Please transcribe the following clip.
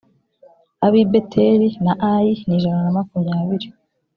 ab i beteli na ayi ni ijana na makumyabiri